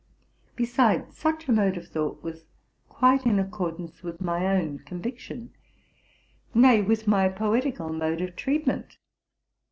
Besides, such a mode of thought was quite in accordance with my own con viction, —nay, with my poetical mode of treatment.